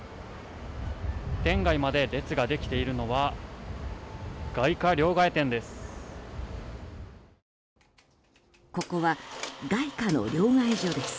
店外まで列ができているのは外貨両替店です。